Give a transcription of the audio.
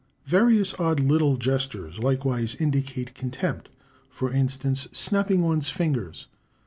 Various odd little gestures likewise indicate contempt; for instance, snapping one's fingers.